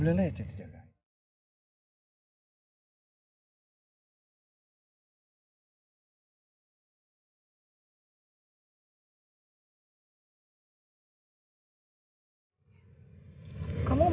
tidak ada yang bisa dihukum